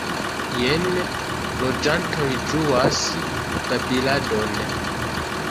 Jen loĝantoj ĝuas babiladon.